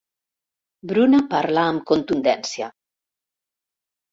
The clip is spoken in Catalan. Bruna parla amb contundència.